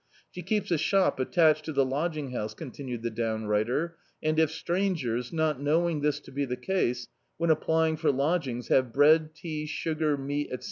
She keeps a shop attached to the lodging house," continued the downrig^ter, "and if strangers, not knowing this to be the case, when applying for lodgings, have bread, tea, sugar, meat, etc.